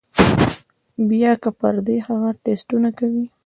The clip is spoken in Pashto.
بيا کۀ پرې هغه ټسټونه کوي